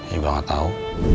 dia juga gak tau